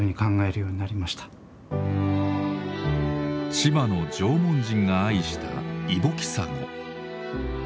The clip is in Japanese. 千葉の縄文人が愛したイボキサゴ。